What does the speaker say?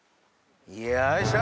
よいしょ。